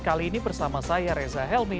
kali ini bersama saya reza helmi